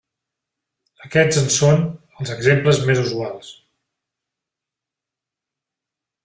Aquests en són els exemples més usuals.